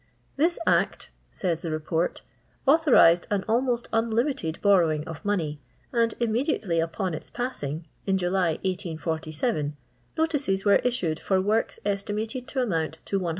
*' This Act," says the Report, " authorized an almost unlimited borrowing of money ; and t'mme diaUlyupon iUpamngy in July, 1847, notices were issued for works estimated to amount to 100,000